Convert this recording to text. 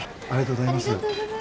ありがとうございます。